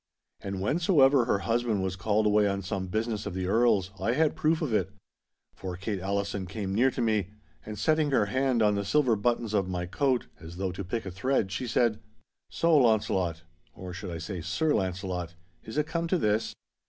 And whensoever her husband was called away on some business of the Earl's I had proof of it. For Kate Allison came near to me, and, setting her hand on the silver buttons of my coat, as though to pick a thread, she said,— 'So, Launcelot—or, I should say, Sir Launcelot—is it come to this?